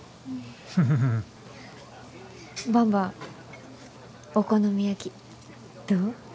ばんばお好み焼きどう？